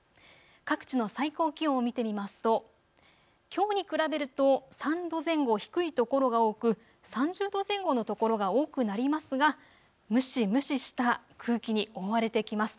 各地の最高気温を見てみますときょうに比べると３度前後低い所が多く３０度前後の所が多くなりますが、蒸し蒸しした空気に覆われてきます。